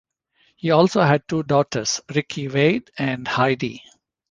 He also had two daughters, Rickie Wade and Heidi.